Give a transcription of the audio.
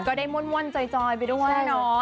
ก็ได้ม่วนจอยไปด้วยเนาะ